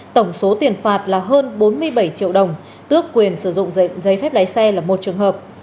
tổng số tiền phạt là hơn bốn mươi bảy triệu đồng tước quyền sử dụng giấy phép lái xe là một trường hợp